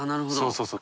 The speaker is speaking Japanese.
そうそう。